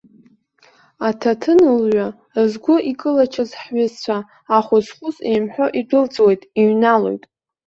Аҭаҭынлҩа згәы икылачыз ҳҩызцәа ахәыз-хәыз еимҳәо идәылҵуеит, иҩналоит.